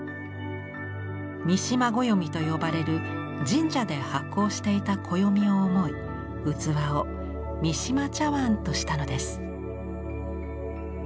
三嶋暦と呼ばれる神社で発行していた暦を思い器を「三島茶碗」としたのです。